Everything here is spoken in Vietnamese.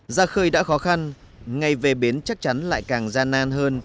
già khơi đã khó khăn ngày về bến chắc chắn lại càng gian nan hơn